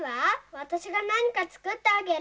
わたしがなにかつくってあげる。